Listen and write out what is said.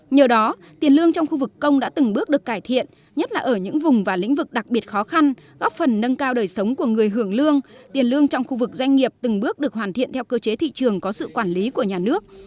nhờ đó tiền lương trong khu vực công đã từng bước được cải thiện nhất là ở những vùng và lĩnh vực đặc biệt khó khăn góp phần nâng cao đời sống của người hưởng lương tiền lương trong khu vực doanh nghiệp từng bước được hoàn thiện theo cơ chế thị trường có sự quản lý của nhà nước